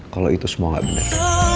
kalo itu semua gak bener